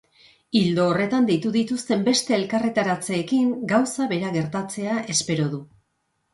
Ildo horretan, deitu dituzten beste elkarretaratzeekin gauza bera gertatzea espero du.